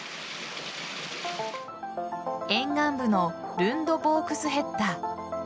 沿岸部のルンドボークスヘッタ。